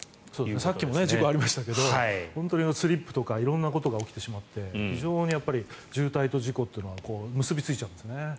さっきも事故がありましたが本当にスリップとか色々なことが起きてしまって非常に渋滞と事故というのは結びついちゃうんですね。